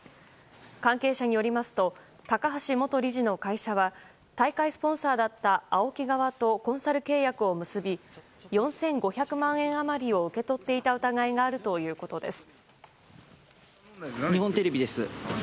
関係者によりますと高橋元理事の会社は大会スポンサーだったＡＯＫＩ側とコンサル契約を結び４５００万円余りを受け取っていた疑いがあるということです。